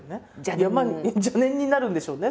いやまあ邪念になるんでしょうね。